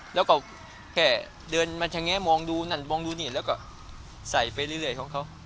แล้วก็แค่เดินมาชะแงะมองดูนั่นมองดูนี่แล้วก็ใส่ไปเรื่อยของเขา